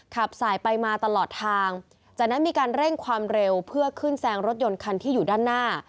ขับสายไปมาตลอดทางจากนั้นมีการเร่งความเร็วเพื่อขึ้นแซงรถยนต์คันที่อยู่ด้านหน้า